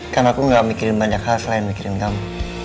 kan aku gak mikirin banyak hal selain mikirin kamu